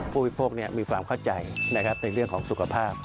ผู้บริโภคมีความเข้าใจในเรื่องของสุขภาพ